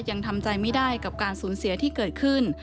ยังทำใจไม่ได้กับการสูญเสียที่เกิดขึ้น